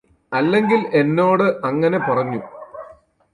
അല്ലെങ്കില് എന്നോട് അങ്ങനെ പറഞ്ഞു